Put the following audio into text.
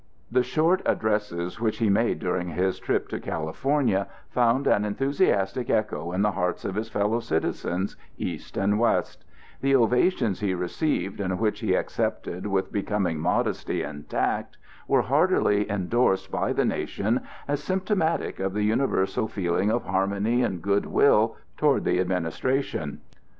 The short addresses which he made during his trip to California found an enthusiastic echo in the hearts of his fellow citizens, East and West; the ovations he received and which he accepted with becoming modesty and tact, were heartily endorsed by the nation as symptomatic of the universal feeling of harmony and of good will toward the administration.